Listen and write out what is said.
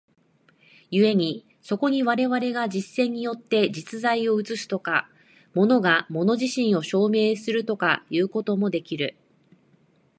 故にそこに我々が実践によって実在を映すとか、物が物自身を証明するとかいうこともできる。